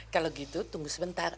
kalau gitu tunggu sebentar